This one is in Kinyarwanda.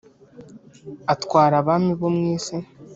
utwara abami bo mu isi,